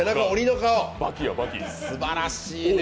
すばらしいね。